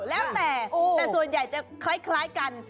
แล้วแต่แต่ส่วนใหญ่จะคล้ายกัน